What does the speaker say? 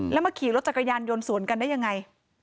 แล้วมาขี่รถจักรยานยนต์สวนกันได้ยังไง